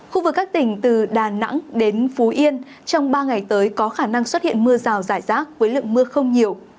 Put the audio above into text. khu vực các tỉnh từ đà nẵng đến phú yên trong ba ngày tới có khả năng xuất hiện mưa rào rải rác với lượng mưa không nhiều